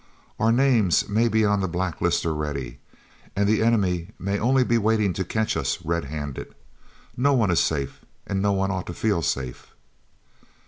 Our names may be on the black list already, and the enemy may only be waiting to catch us red handed. No one is safe, and no one ought to feel safe."